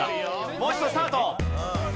もう一度スタート。